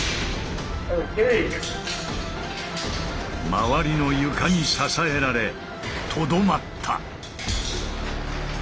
周りの床に支えられとどまった！